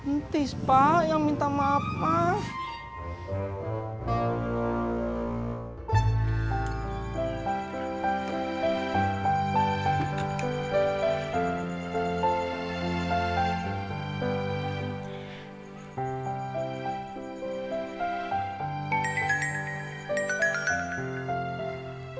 ntis pak yang minta maaf pak